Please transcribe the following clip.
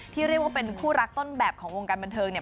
เรียกว่าเป็นคู่รักต้นแบบของวงการบันเทิงเนี่ย